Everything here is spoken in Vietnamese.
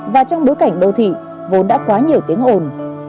và trong bối cảnh đô thị vốn đã quá nhiều tiếng ồn